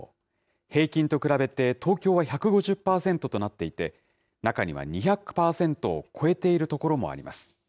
平均と比べて東京は１５０％となっていて、中には２００％を超えている所もあります。